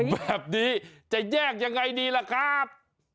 แบบนี้จะแยกยังไงดีล่ะครับ